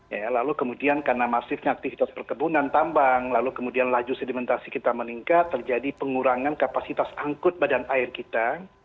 ya lalu kemudian karena masifnya aktivitas perkebunan tambang lalu kemudian laju sedimentasi kita meningkat terjadi pengurangan kapasitas angkut badan air kita